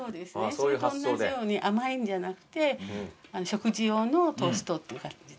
それとおんなじように甘いんじゃなくて食事用のトーストっていう感じで。